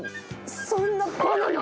そんなバナナ。